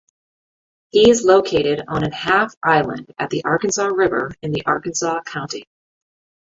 He is located on an half-island at the Arkansas River in the Arkansas County.